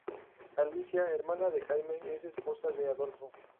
Alicia, hermana de Jaime es esposa de Adolfo.